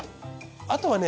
あとはね